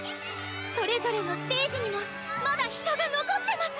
それぞれのステージにもまだ人が残ってます！